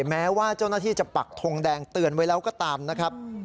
แม้ว่าเจ้าหน้าที่จะปักทงแดงเตือนไว้แล้วก็ตามนะครับ